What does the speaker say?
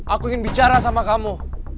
aku ingin bicara sama kamu